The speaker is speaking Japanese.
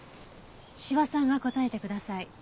斯波さんが答えてください。